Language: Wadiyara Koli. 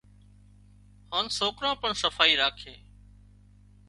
هانَ سوڪران پڻ صفائي راکي